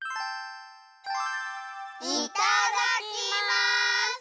いただきます！